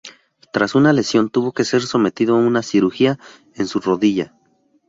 Tras una lesión, tuvo que ser sometido a una cirugía en su rodilla.